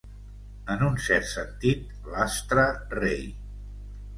En un cert sentit, l'astre rei.